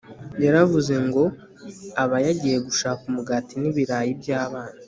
Yaravuze ngo aba yagiye gushaka umugati nibirayi byabana